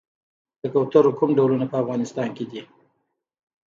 د کوترو کوم ډولونه په افغانستان کې دي؟